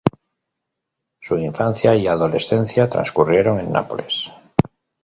Su infancia y adolescencia transcurrieron en Nápoles.